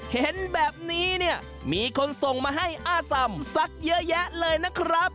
เห็นแบบนี้เนี่ยมีคนส่งมาให้อ้าสำสักเยอะแยะเลยนะครับ